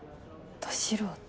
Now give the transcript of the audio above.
ど素人。